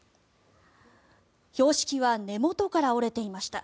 標識は根元から折れていました。